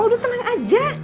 udah tenang aja